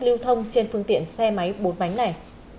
lưu thông trên phương tiện xe máy bốn bánh này